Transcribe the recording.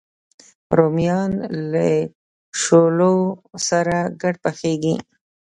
رومیان له شولو سره ګډ پخېږي